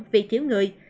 vì thiếu người